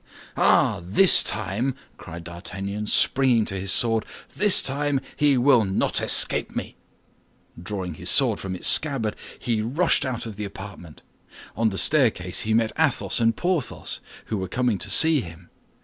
"Ah, this time," cried D'Artagnan, springing to his sword, "this time he will not escape me!" Drawing his sword from its scabbard, he rushed out of the apartment. On the staircase he met Athos and Porthos, who were coming to see him.